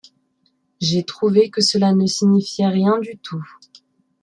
J’ai trouvé que cela ne signifiait rien du tout...